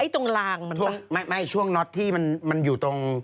ตรงลางมันช่วงน็อตที่มันอยู่ตรง